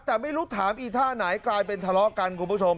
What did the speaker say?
แต่ไม่รู้ถามอีท่าไหนกลายเป็นทะเลาะกันคุณผู้ชม